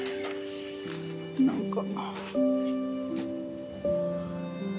何か。